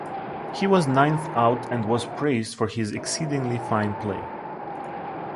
He was ninth out and was praised for his "exceedingly fine play".